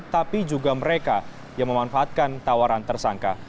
tapi juga mereka yang memanfaatkan tawaran tersangka